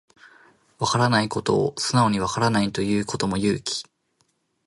わからないことを素直にわからないと言うことも勇気